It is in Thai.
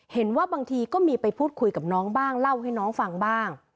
บางทีก็มีไปพูดคุยกับน้องบ้างเล่าให้น้องฟังบ้าง